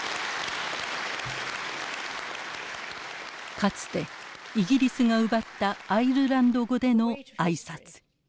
かつてイギリスが奪ったアイルランド語での挨拶。